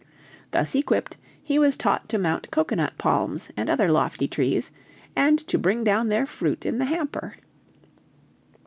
Thus equipped, he was taught to mount cocoanut palms and other lofty trees, and to bring down their fruit in the hamper.